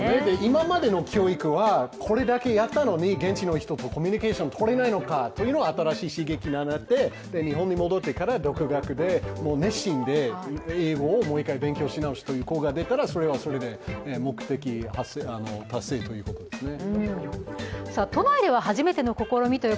今までの教育は、これだけやったのに現地の人とコミュニケーションがとれないのかというのが新しい刺激になって、日本に戻ってから独学で、熱心に英語をもう一回勉強し直す子が出てきたらそれはそれで、目的達成ということですね。